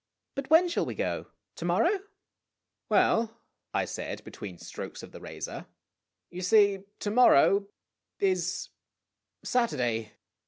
"But when shall we go? To morrow ?" "Well," I said, between strokes of the razor, "you see to morrow is Saturday.